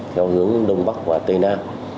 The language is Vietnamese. theo hướng đông bắc và tây nam